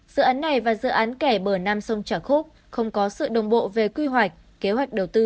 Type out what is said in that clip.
dự án này và dự án kẻ bờ nam sông trà khúc không có sự đồng bộ về quy hoạch kế hoạch đầu tư